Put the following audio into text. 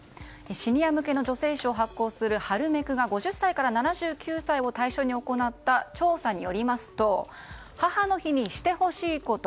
シニア向けの女性誌を発行するハルメクが５０歳から７９歳を対象に行った調査によりますと母の日にしてほしいこと。